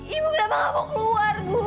ibu kenapa gak mau keluar bu